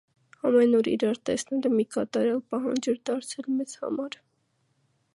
Ամեն օր իրար տեսնելը մի կատարյալ պահանջ էր դարձել մեզ համար: